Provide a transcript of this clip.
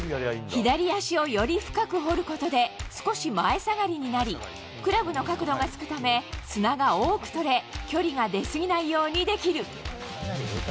左足をより深く掘ることで、少し前下がりになり、クラブの角度がつくため、砂が多く取れ、距離が出過ぎないようにできる。